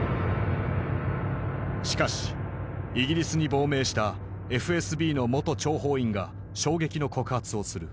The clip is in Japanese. しかしイギリスに亡命したＦＳＢの元諜報員が衝撃の告発をする。